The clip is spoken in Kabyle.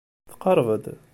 Tqerreb-d.